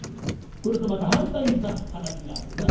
これとまた反対した話があるな。